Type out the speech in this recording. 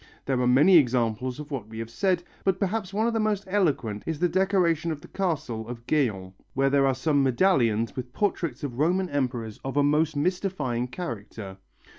There are many examples of what we have said, but perhaps one of the most eloquent is the decoration of the castle of Gaillon, where there are some medallions with portraits of Roman emperors of a most mystifying character.